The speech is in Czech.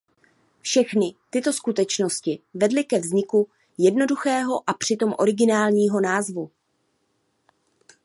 Všechny tyto skutečnosti vedly ke vzniku jednoduchého a přitom originálního názvu.